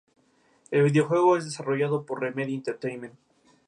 Los soldados británicos se defendieron tenazmente, pero al final fueron sobrepasados.